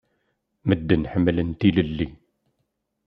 Medden ḥemmlen tilelli.